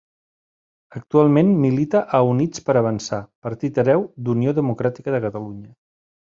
Actualment milita a Units per Avançar, partit hereu d'Unió Democràtica de Catalunya.